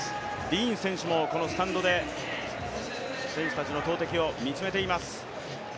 ディーン選手もスタンドで選手たちの投てきを見つめています。